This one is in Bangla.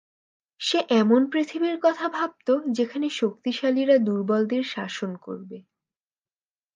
সে এমন পৃথিবীর কথা ভাবত, যেখানে শক্তিশালীরা দুর্বলদের শাসন করবে।